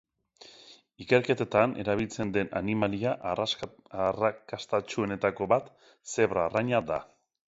Ikerketetan erabiltzen den animalia arrakastatsuenetako bat zebra arraina da.